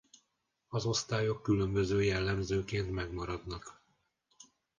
Az osztályok különböző jellemzőként megmaradnak.